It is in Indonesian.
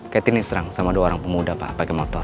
catherine diserang sama dua orang pemuda pak pake motor